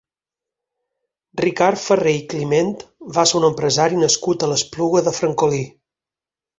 Ricard Farré i Climent va ser un empresari nascut a l'Espluga de Francolí.